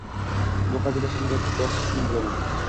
Bu qabila sha’niga dog’ tushirgan bo’laman.